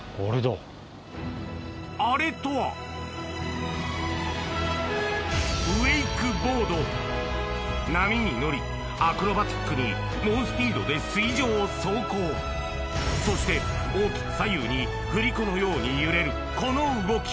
アレとは波に乗りアクロバティックに猛スピードで水上を走行そして大きく左右に振り子のように揺れるこの動き